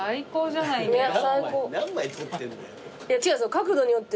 角度によって。